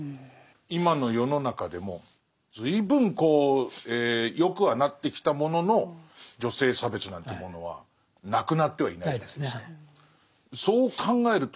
今の世の中でも随分こう良くはなってきたものの女性差別なんていうものはなくなってはいないですね。